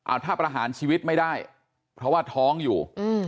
เอาถ้าประหารชีวิตไม่ได้เพราะว่าท้องอยู่